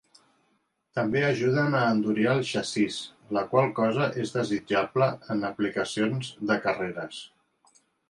També ajuden a endurir el xassís, la qual cosa és desitjable en aplicacions de carreres.